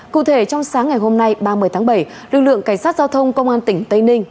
cụ thể trong sáng ngày hôm nay ba mươi tháng bảy lực lượng cảnh sát giao thông công an tỉnh tây ninh